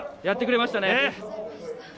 やってくれましたね。